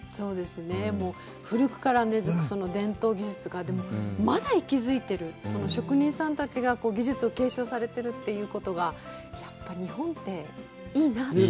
古くから根づく伝統技術が、まだ息づいてる、職人さんたちが技術を継承されてるってことが、やっぱり、日本っていいなぁって。